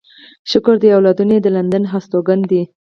شکر دی اولادونه يې د لندن هستوګن دي.